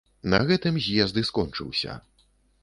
На гэтым з'езд і скончыўся.